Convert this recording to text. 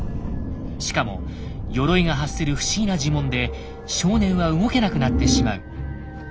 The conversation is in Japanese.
しかもヨロイが発する不思議な呪文で少年は動けなくなってしまう。